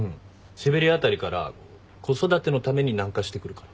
シベリア辺りから子育てのために南下してくるから。